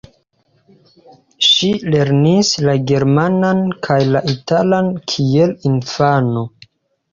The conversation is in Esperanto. Ŝi lernis la germanan kaj la italan kiel infano.